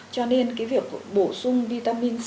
cho nên việc bổ sung vitamin c